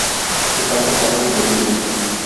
Está casado y no tiene hijos.